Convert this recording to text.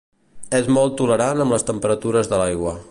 És molt tolerant amb les temperatures de l'aigua.